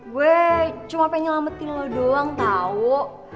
gue cuma pengen nyelamatin lo doang tau